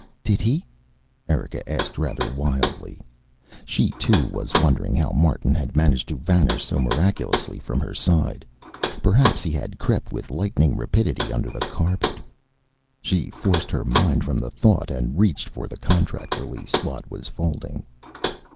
"Did he?" Erika asked, rather wildly. She too, was wondering how Martin had managed to vanish so miraculously from her side. Perhaps he had crept with lightning rapidity under the carpet. She forced her mind from the thought and reached for the contract release Watt was folding.